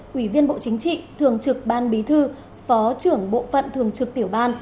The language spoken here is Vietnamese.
quỷ viên bộ chính trị thường trực ban bí thư phó trưởng bộ phận thường trực tiểu ban